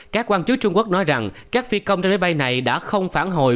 các quan chức trung quốc nói rằng các phi công trên máy bay này đã không phản hồi